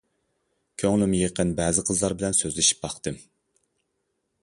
كۆڭلۈم يېقىن بەزى قىزلار بىلەن سۆزلىشىپ باقتىم.